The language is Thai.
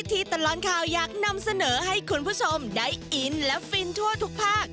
ตลอดข่าวอยากนำเสนอให้คุณผู้ชมได้อินและฟินทั่วทุกภาค